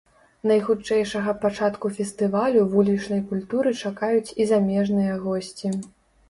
Найхутчэйшага пачатку фестывалю вулічнай культуры чакаюць і замежныя госці.